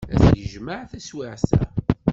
Ad t-yejmeɛ taswiɛt-a.